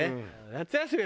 夏休み